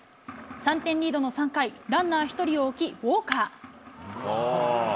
３点リードの３回、ランナー１人を置き、ウォーカー。